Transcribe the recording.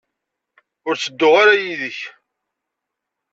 Ur tteddun ara yid-k?